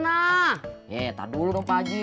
nah iya iya tak dulu dong pak haji